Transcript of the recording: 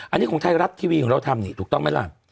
อันนี้ของไทยรัฐทีวีของเราทำนี่ถูกต้องไหมล่ะ